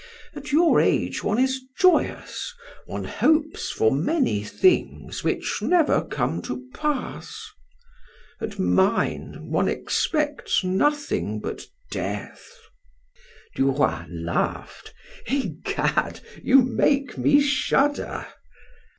At your age one is joyous; one hopes for many things which never come to pass. At mine, one expects nothing but death." Duroy laughed: "Egad, you make me shudder."